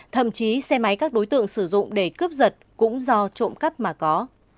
thậm chí xe máy các đối tượng sử dụng để cướp giật cũng do trộm cắp mà có